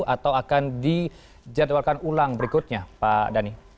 atau akan dijadwalkan ulang berikutnya pak dhani